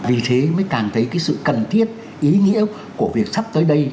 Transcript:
vì thế mới càng thấy cái sự cần thiết ý nghĩa của việc sắp tới đây